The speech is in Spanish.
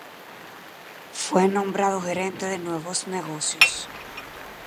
Fue nombrado Gerente de nuevos negocios.